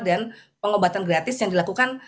dan pengobatan gratis yang dilakukan